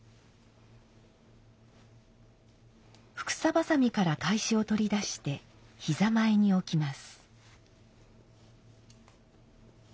帛紗挟みから懐紙を取り出して膝前に置きます。